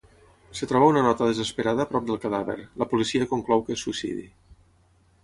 Es troba una nota desesperada prop del cadàver, la policia conclou que és suïcidi.